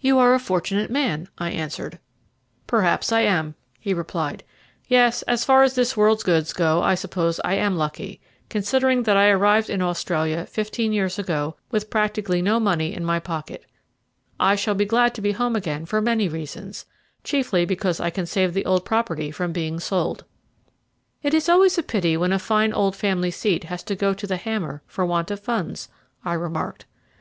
"You are a fortunate man," I answered. "Perhaps I am," he replied. "Yes, as far as this world's goods go I suppose I am lucky, considering that I arrived in Australia fifteen years ago with practically no money in my pocket. I shall be glad to be home again for many reasons, chiefly because I can save the old property from being sold." "It is always a pity when a fine old family seat has to go to the hammer for want of funds," I remarked.